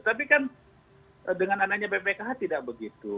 tapi kan dengan adanya bpkh tidak begitu